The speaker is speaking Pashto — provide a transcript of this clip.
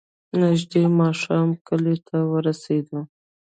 نژدې ماښام کلي ته ورسېدو.